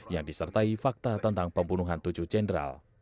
yang disertai fakta tentang pembunuhan tujuh jenderal